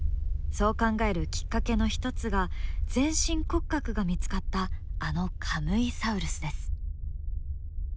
そう考えるきっかけの一つが全身骨格が見つかったあのカムイサウルスです。